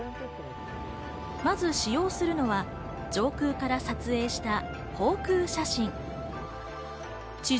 まず使用するのは、上空から撮影した航空写真。